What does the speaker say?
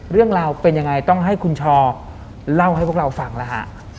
เรื่องราวเป็นยังไงต้องให้คุณชอเล่าให้พวกเราฟังแล้วฮะ